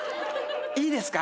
いいですか？